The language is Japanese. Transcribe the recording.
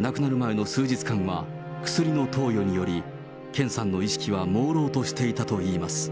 亡くなる前の数日間は、薬の投与により、健さんの意識はもうろうとしていたといいます。